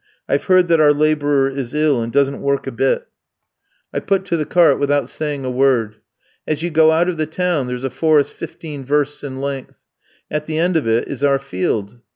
I've heard that our labourer is ill and doesn't work a bit.' "I put to the cart without saying a word. As you go out of the town there's a forest fifteen versts in length. At the end of it is our field.